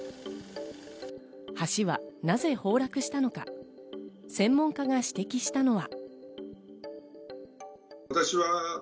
橋はなぜ崩落したのか、専門家が指摘したのは。